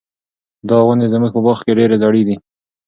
دا ونې زموږ په باغ کې ډېرې زړې دي.